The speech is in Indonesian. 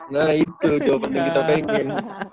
nah itu jawaban yang kita pengen